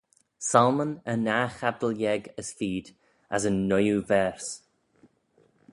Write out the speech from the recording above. Psalmyn yn nah chabdyl yeig as feed as yn nuyoo verse.